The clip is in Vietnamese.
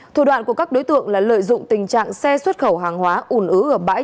thủ đoạn của các đối tượng là lợi dụng tình trạng xe xuất khẩu hàng hóa ủn ứ ở bãi